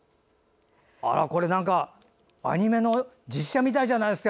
これ、アニメの実写みたいじゃないですか。